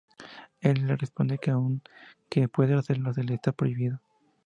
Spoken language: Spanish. Él le responde que aunque puede hacerlo, se le está prohibido.